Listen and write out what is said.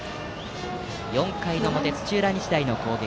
４回の表、土浦日大の攻撃。